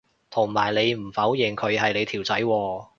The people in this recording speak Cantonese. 同埋你唔否認佢係你條仔喎